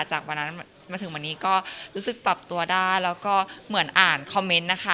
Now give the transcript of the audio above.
จากวันนั้นมาถึงวันนี้ก็รู้สึกปรับตัวได้แล้วก็เหมือนอ่านคอมเมนต์นะคะ